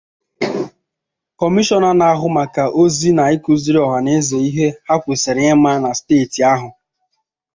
Kọmishọna na-ahụ maka ozi na ịkụziri ọhaneze ihe ha kwesiri ịma na steeti ahụ